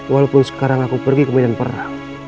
walaupun sekarang aku pergi ke medan perang